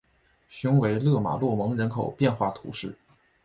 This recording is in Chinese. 雄维勒马洛蒙人口变化图示